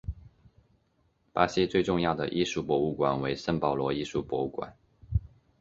巴西最重要的艺术博物馆为圣保罗艺术博物馆。